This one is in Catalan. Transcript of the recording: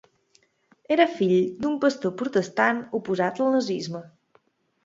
Era fill d'un pastor protestant oposat al nazisme.